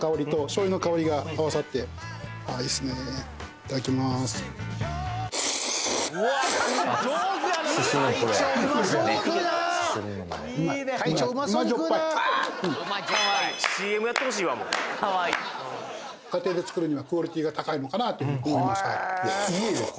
うまいうまいかわいい家庭で作るにはクオリティが高いのかなっていうふうに思いました